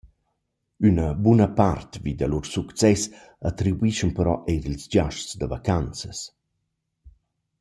Üna buna part vi da lur success attribuischan però eir ils giasts da vacanzas.